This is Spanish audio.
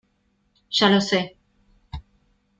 ya lo sé.